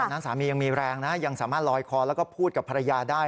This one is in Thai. นั้นสามียังมีแรงนะยังสามารถลอยคอแล้วก็พูดกับภรรยาได้